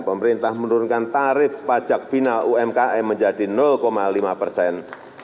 pemerintah menurunkan tarif pajak final umkm menjadi lima persen